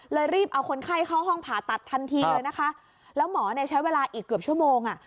รีบเอาคนไข้เข้าห้องผ่าตัดทันทีเลยนะคะแล้วหมอเนี่ยใช้เวลาอีกเกือบชั่วโมงอ่ะ